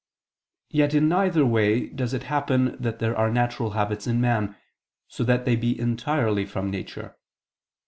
Yet in neither way does it happen that there are natural habits in man, so that they be entirely from nature.